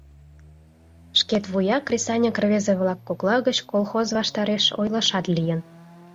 Шкет вуя кресаньык рвезе-влак кокла гыч колхоз ваштареш ойлышат лийын: